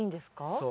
そう。